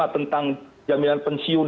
empat puluh lima tentang jaminan pensiun